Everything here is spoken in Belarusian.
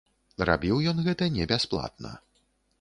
Рабіў ён гэта не бясплатна.